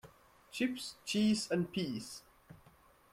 Chips, cheese and peas.